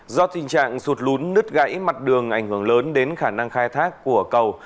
do tình trạng sụt lún nứt gãy mặt đường ảnh hưởng lớn đến khả năng khai thác của cầu